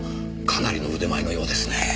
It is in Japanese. かなりの腕前のようですねえ。